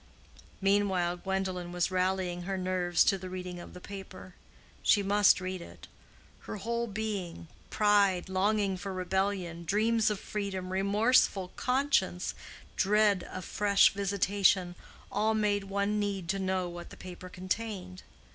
Meanwhile Gwendolen was rallying her nerves to the reading of the paper. She must read it. Her whole being—pride, longing for rebellion, dreams of freedom, remorseful conscience, dread of fresh visitation—all made one need to know what the paper contained.